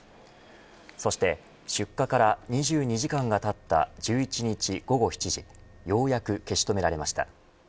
そして出火から２２時間がたった１１日、午後７時ようやく消し止められました。